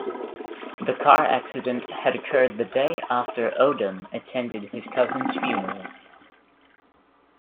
The car accident had occurred the day after Odom attended his cousin's funeral.